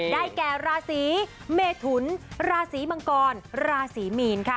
ได้แก่ราศีเมทุนราศีมังกรราศีมีนค่ะ